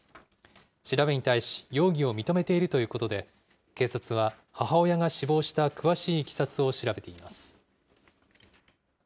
調べに対し容疑を認めているということで、警察は母親が死亡した詳しいいきさつを調べています。